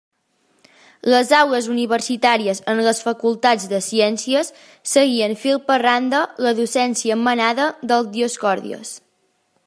Les aules universitàries en les facultats de ciències seguien fil per randa la docència emanada del Dioscòrides.